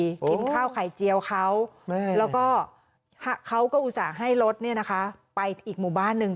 กินข้าวไข่เจียวเขาแล้วก็เขาก็อุตส่าห์ให้รถไปอีกหมู่บ้านหนึ่ง